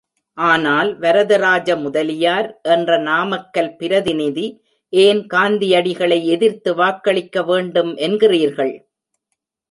ஆனால், வரதராஜ முதலியார் என்ற நாமக்கல் பிரதிநிதி, ஏன் காந்தியடிகளை எதிர்த்து வாக்களிக்க வேண்டும் என்கிறீர்கள்?